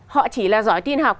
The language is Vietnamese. họ chỉ là giỏi tin học